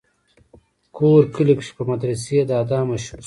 کور کلي کښې پۀ مدرسې دادا مشهور شو